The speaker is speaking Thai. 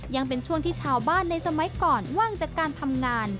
ยังเป็นช่วงที่ชาวบ้านในสมัยก่อนว่างจากการทำงาน